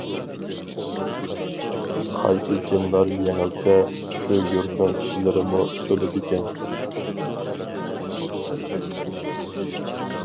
قايسى جىنلار يېڭىلسە، شۇ يۇرتنىڭ كىشىلىرىمۇ ئۆلىدىكەن.